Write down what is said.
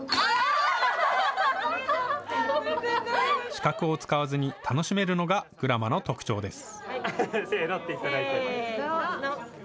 視覚を使わずに楽しめるのがグラマの特徴です。